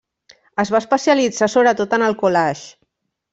Es va especialitzar sobretot en el collage.